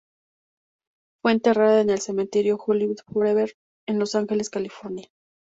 Fue enterrada en el Cementerio Hollywood Forever, en Los Ángeles, California.